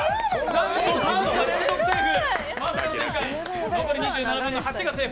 なんと三者連続セーフ。